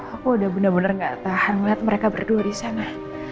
aku udah bener bener gak tahan melihat mereka berdua di sana